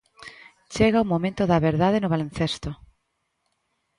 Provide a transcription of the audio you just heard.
Chega o momento da verdade no baloncesto.